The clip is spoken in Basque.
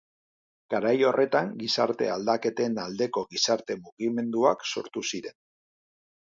Garai horretan gizarte aldaketen aldeko gizarte mugimenduak sortu ziren.